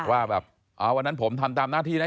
ว่าแบบวันนั้นผมทำตามหน้าที่นะ